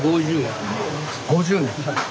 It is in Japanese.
５０年。